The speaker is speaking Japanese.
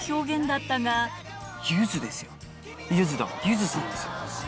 ゆずさんですよ。